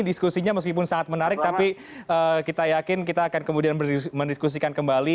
diskusinya meskipun sangat menarik tapi kita yakin kita akan kemudian mendiskusikan kembali